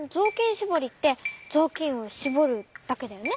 しぼりってぞうきんをしぼるだけだよね？